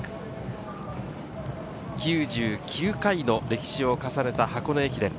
９９回の歴史を重ねた箱根駅伝。